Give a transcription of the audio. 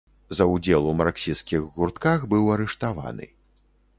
За ўдзел у марксісцкіх гуртках быў арыштаваны.